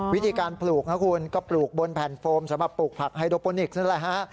วิธีการปลูกนะคุณก็ปลูกบนแผ่นโฟมสำหรับปลูกผักไฮโดโปนิกส์นั่นแหละฮะ